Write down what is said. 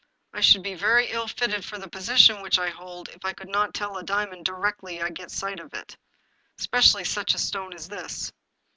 " I should be very ill fitted for the position which I hold if I could not tell a diamond directly I get a sight of it, especially such a stone as this."